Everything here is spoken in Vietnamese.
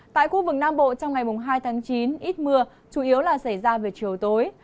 tại khu vực nam bộ trong ngày hai tháng chín ít mưa chủ yếu là xảy ra về chiều tối